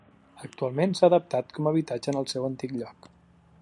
Actualment s’ha adaptat com habitatge en el seu antic lloc.